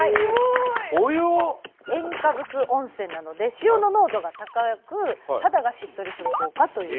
塩化物温泉なので塩の濃度が高く肌がしっとりする効果というところで。